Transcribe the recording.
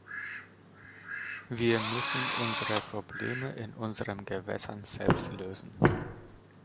Wir müssen unsere Probleme in unseren Gewässern selbst lösen.